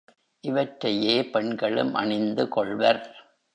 இவற்றையே பெண்களும் அணிந்து கொள்வர்.